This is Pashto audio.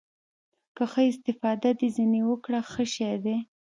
که ښه استفاده دې ځنې وکړه ښه شى ديه.